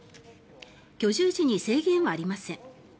居住地に制限はありません。